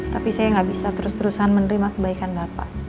tapi saya nggak bisa terus terusan menerima kebaikan bapak